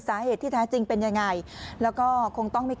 สาเหตุที่แท้จริงเป็นอย่างไร